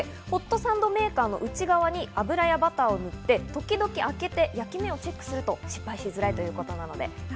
ホットサンドメーカーの内側に油やバターを塗って、時々開けて焼き目をチェックすると失敗しづらいということです。